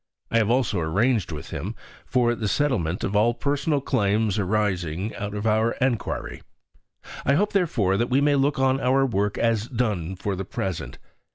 I have also arranged with him for the settlement of all personal claims arising out of our enquiry. I hope, therefore, that we may look on our work as done for the present.